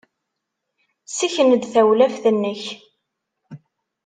Ssken-d tawlaft-nnek.